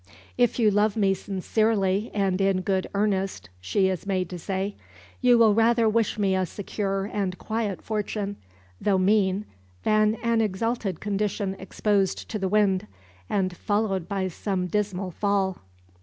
"If you love me sincerely and in good earnest," she is made to say, "you will rather wish me a secure and quiet fortune, though mean, than an exalted condition exposed to the wind, and followed by some dismal fall."